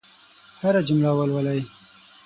هره جمله ولوله.